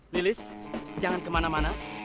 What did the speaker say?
lilis jangan kemana mana